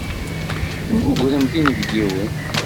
Temmugremt inebgiwen.